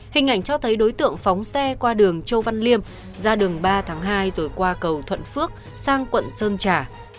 hình ảnh cho thấy đối tượng phóng xe qua đường châu văn liêm ra đường ba tháng hai rồi qua cầu thuận phước sang quận sơn trà